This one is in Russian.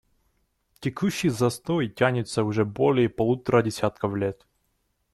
Текущий застой тянется уже более полутора десятков лет.